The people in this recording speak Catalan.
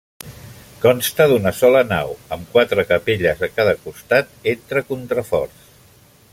Consta d'una sola nau, amb quatre capelles a cada costat, entre contraforts.